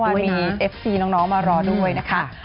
เมื่อวานมีเอฟซีน้องมารอด้วยนะคะ